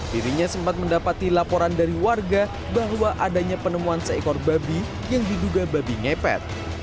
dirinya sempat mendapati laporan dari warga bahwa adanya penemuan seekor babi yang diduga babi ngepet